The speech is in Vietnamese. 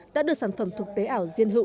đã được sản phẩm thực tế ảo riêng hữu